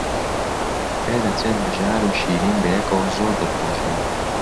پێدەچێت بژار و شیرین بەیەکەوە زۆر دڵخۆش بن.